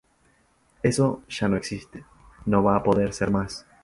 Eso ya no existe, no va a poder ser más.